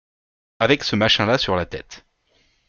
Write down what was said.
Avec ce machin-là sur la tête